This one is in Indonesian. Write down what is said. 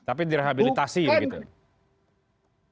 tapi direhabilitasi gitu